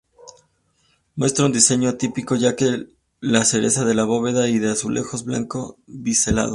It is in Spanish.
Muestra un diseño atípico, ya que carece de bóveda y de azulejos blanco biselados.